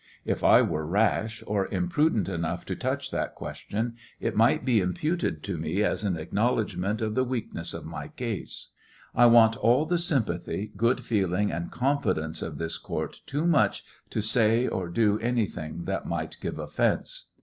If I were rash or imprudent enough to touch that question it might be imputed to me as an acknowledgment of the weakness of my case. I want all the sympathy, good feeling and confi dence of this court too much to say or do anything that might give offence.